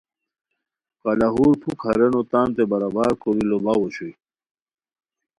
قلاہور پُھک ہارینو تانتے برابر کوری لوڑاؤ اوشوئے